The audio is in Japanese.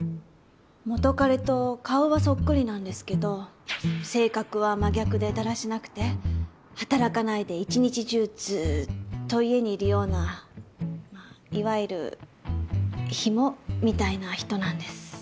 元彼と顔はそっくりなんですけど性格は真逆でだらしなくて働かないで１日中ずっと家にいるようなまあいわゆるヒモみたいな人なんです。